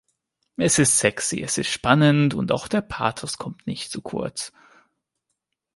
Es ist sexy, es ist spannend und auch der Pathos kommt nicht zu kurz.